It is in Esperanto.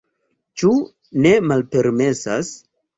Ĉu ne malpermesas?